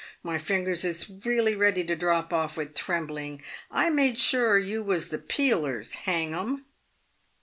My fingers is really ready to drop oft* with trembling. I made sure you was the Peelers, hang 'em."